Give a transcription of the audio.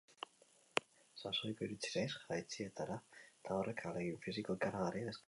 Sasoiko iritsi naiz jaitsieretara, eta horrek ahalegin fisiko ikaragarria eskatzen du.